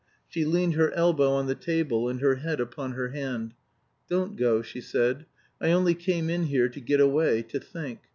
She leaned her elbow on the table and her head upon her hand. "Don't go," she said. "I only came in here to get away to think.